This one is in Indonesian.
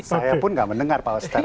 saya pun gak mendengar pak wester